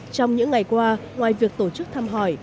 trong những ngày qua ngoài việc tổ chức thăm hỏi